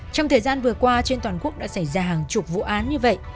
trong thời gian vừa qua trên toàn quốc đã xảy ra hàng chục vụ án như vậy